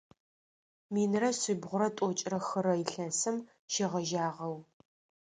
Минрэ шъибгъурэ тӏокӏрэ хырэ илъэсым шегъэжьагъэу.